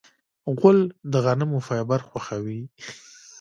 غول د غنمو فایبر خوښوي.